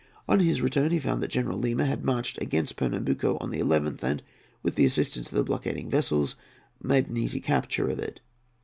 On his return he found that General Lima had marched against Pernambuco on the 11th, and, with the assistance of the blockading vessels, made an easy capture of it.